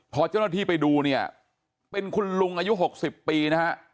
พอเจ้าหน้าที่ไปดูเนี่ยเป็นคุณลุงอายุ๖๐ปีนะฮะ